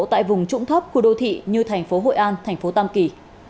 tại vùng trũng thấp khu đô thị như thành phố hội an thành phố tam kỳ